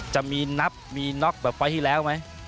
จะมีนับมีน็อกแบบไฟล์ที่แล้วไหม